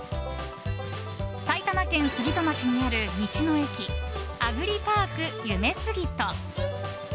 埼玉県杉戸町にある道の駅アグリパークゆめすぎと。